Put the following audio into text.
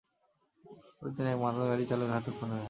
পরে তিনি এক মাতাল গাড়ি চালকের হাতে খুন হয়ে যান।